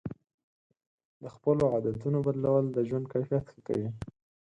د خپلو عادتونو بدلول د ژوند کیفیت ښه کوي.